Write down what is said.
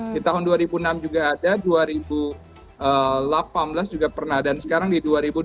di tahun dua ribu enam juga ada dua ribu delapan belas juga pernah dan sekarang di dua ribu dua belas